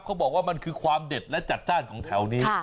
เขาบอกว่ามันคือความเด็ดและจัดจ้านของแถวนี้